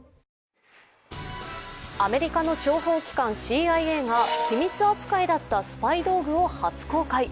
アメリカの諜報機関、ＣＩＡが機密扱いだったスパイ道具を初公開。